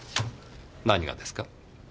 何がですか？